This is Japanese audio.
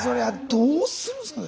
どうするんですかね。